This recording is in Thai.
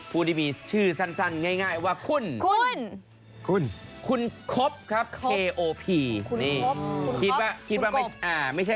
ผู้ที่มีชื่อสั่นง่ายว่า